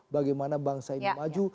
bagaimana bangsa ini maju